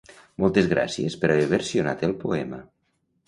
Moltes gràcies per haver versionat el poema.